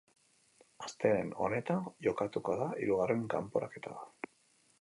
Astelehen honetan jokatuko da hirugarren kanporaketa.